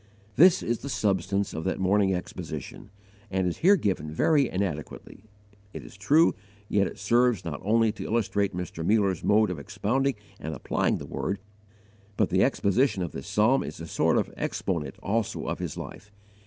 This is the substance of that morning exposition, and is here given very inadequately, it is true, yet it serves not only to illustrate Mr. Muller's mode of expounding and applying the Word, but the exposition of this psalm is a sort of exponent also of his life.